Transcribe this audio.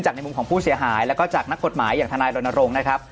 ในมุมของผู้เสียหายแล้วก็จากนักกฎหมายอย่างทนายรณรงค์นะครับ